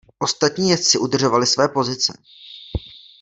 Ostatní jezdci udržovali své pozice.